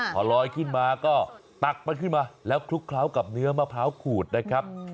พอลอยขึ้นมาก็ตักมันขึ้นมาแล้วคลุกเคล้ากับเนื้อมะพร้าวขูดนะครับ